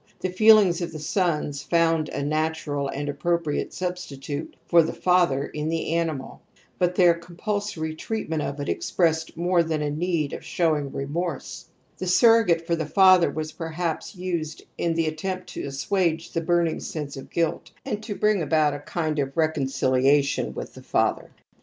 The feelings of the sons found a natiu^al a^nd appropriate substitute for the father in the aniniaL but their compul sory treatment of it expressed more than the need of showing remorse. The surrogate for 240 TOTEM AND TABOO V a *» V the father was perhaps used in the attempt to assuage the burning sense of guilt, and to bring about a kind of reconcihation with the father.